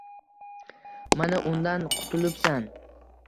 Mana, undan qutulibsan